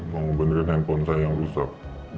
mau benerin handphone saya yang rusak